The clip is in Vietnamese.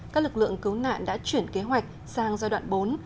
các lực lượng cứu nạn đã chuyển kế hoạch sang giai đoạn bốn